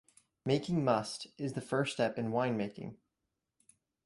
Making must is the first step in winemaking.